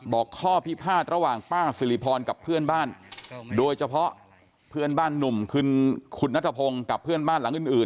ข้อพิพาทระหว่างป้าสิริพรกับเพื่อนบ้านโดยเฉพาะเพื่อนบ้านหนุ่มคือคุณนัทพงศ์กับเพื่อนบ้านหลังอื่น